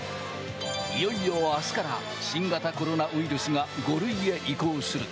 いよいよ明日から新型コロナウイルスが５類へ移行する。